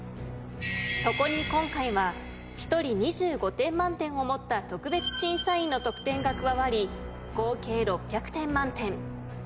そこに今回は１人２５点満点を持った特別審査員の得点が加わり合計６００点満点。